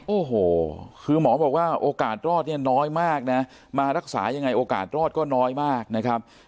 โอ้โหคือหมอบอกว่าโอกาสรอดเนี่ยน้อยมากนะมารักษายังไงโอกาสรอดก็น้อยมากนะครับ